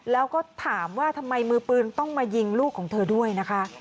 แล้วก็ถามว่าทำไมมือปืนต้องมายิงลูกของเธอด้วยนะคะ